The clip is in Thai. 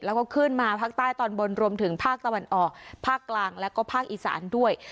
แล้วก็ขึ้นมาภาคใต้ตอนบนรวมถึงภาคตะวันออกภาคกลางแล้วก็ภาคอีสานด้วย